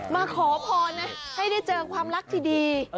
มาขอพรนะให้ได้เจอความรักที่ดี